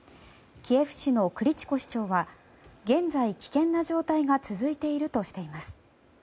キエフ市のクリチコ市長は現在、危険な状態が続いているとしています。